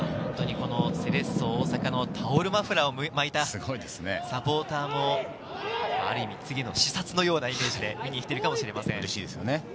セレッソ大阪のタオルマフラーを巻いたサポーターもある意味、次の視察のようなイメージで見に来ているかもしれません。